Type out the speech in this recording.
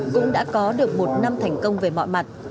cũng đã có được một năm thành công về mọi mặt